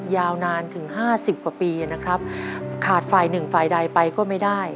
ยาวนานถึง๕๐กว่าปีขาดฝ่ายหนึ่งฝ่ายใดไปก็ไม่ได้